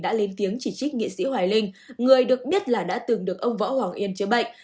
đã lên tiếng chỉ trích nghệ sĩ hoài linh người được biết là đã từng được ông võ hoàng yên chữa bệnh